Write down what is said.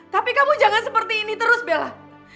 tapi kamu jangan seperti ini terus bella